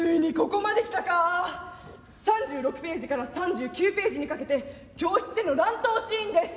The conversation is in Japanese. ３６ページから３９ページにかけて教室での乱闘シーンです。